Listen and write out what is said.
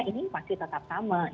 ini pasti tetap sama